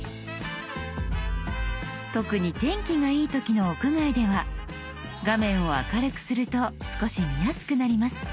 特に天気がいい時の屋外では画面を明るくすると少し見やすくなります。